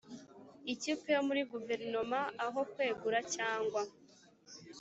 Ikipe yo muri guverinoma aho kwegura cyangwa